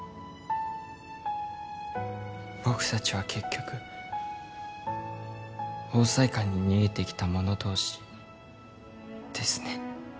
僕達は結局桜彩館に逃げてきた者同士ですね